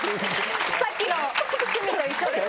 さっきの趣味と一緒ですね。